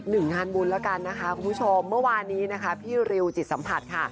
คุณผู้ชมเมื่อวานนี้พี่ริวจิตสัมผัส